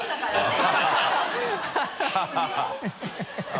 ハハハ